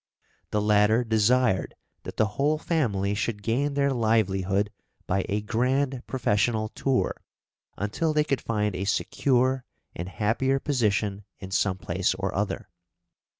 The latter desired that the whole family should gain their livelihood by a grand professional tour, until they could find a secure and happier position in some place or other.